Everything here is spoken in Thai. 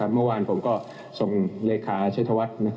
เมื่อวานผมก็ส่งเลขาชัยธวัฒน์